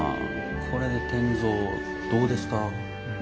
これで転造どうですか？